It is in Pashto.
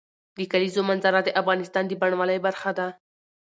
د کلیزو منظره د افغانستان د بڼوالۍ برخه ده.